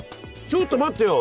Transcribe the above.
ちょっと待ってよ！